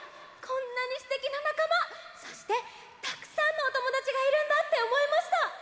こんなにすてきななかまそしてたくさんのおともだちがいるんだっておもいました。